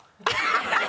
ハハハ！